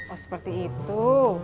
oh seperti itu